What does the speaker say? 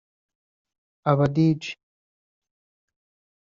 aba Dj